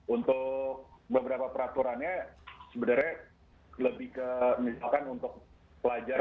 untuk beberapa peraturannya sebenarnya lebih ke misalkan untuk pelajar